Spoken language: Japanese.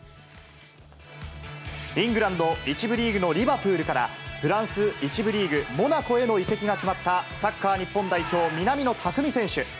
イングランド１部リーグのリバプールから、フランス１部リーグ・モナコへの移籍が決まった、サッカー日本代表、南野拓実選手。